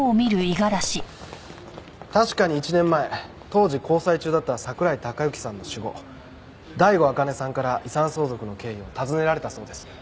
確かに１年前当時交際中だった桜井孝行さんの死後醍醐あかねさんから遺産相続の経緯を尋ねられたそうです。